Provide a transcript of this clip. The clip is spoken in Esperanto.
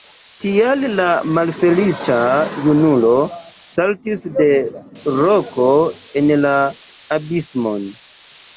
Tial la malfeliĉa junulo saltis de roko en la abismon.